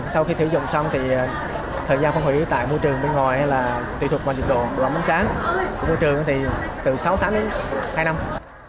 sau khi sử dụng xong thì thời gian phân hủy tại môi trường bên ngoài là tùy thuộc vào nhiệt độ đoạn bánh sáng của môi trường thì từ sáu tháng đến hai năm